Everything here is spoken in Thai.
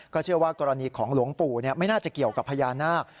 เชื่อว่ากรณีของหลวงปู่ไม่น่าจะเกี่ยวกับพญานาค